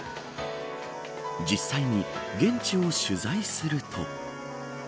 実際に現地を取材すると。